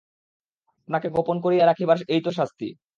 আপনাকে গোপন করিয়া রাখিবার এই তো শাস্তি!